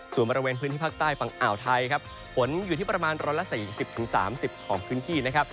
ส่วนบริเวณพื้นที่ภาคใต้ฝั่งอ่าวไทยครับฝนอยู่ที่ประมาณ๑๔๐๓๐ของพื้นที่นะครับ